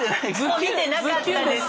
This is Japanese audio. もう見てなかったです。